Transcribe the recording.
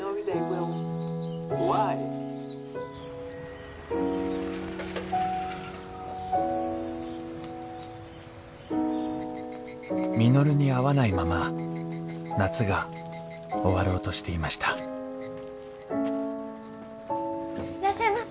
「Ｗｈｙ？」．稔に会わないまま夏が終わろうとしていましたいらっしゃいませ。